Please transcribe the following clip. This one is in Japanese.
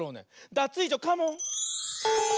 ダツイージョカモン！